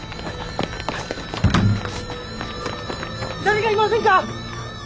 誰かいませんか？